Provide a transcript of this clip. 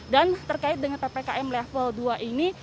dan terkait dengan ppkm level dua ini